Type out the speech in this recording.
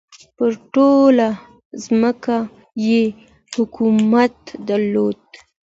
پر ټوله ځمکه یې حاکمیت درلود.